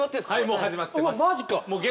もう始まってます。